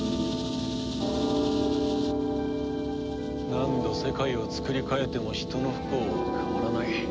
何度世界をつくり変えても人の不幸は変わらない。